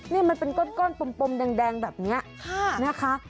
นี่มันเป็นก้อนปมแดงแบบนี้นะคะ